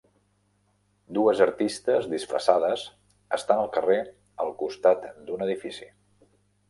Dues artistes disfressades estan al carrer al costat d'un edifici.